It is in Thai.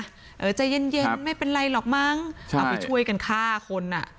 เหลือใจเย็นไม่เป็นไรหรอกมั้งเอาไปช่วยกันฆ่าคน